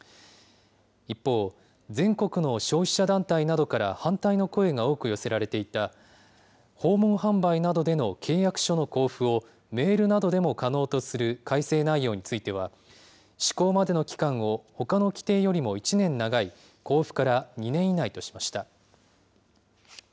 一方、全国の消費者団体などから反対の声が多く寄せられていた、訪問販売などでの契約書の交付をメールなどでも可能とする改正内容については、施行までの期間をほかの規定よりも１年長い公布から２年以内としました。